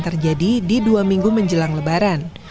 terjadi di dua minggu menjelang lebaran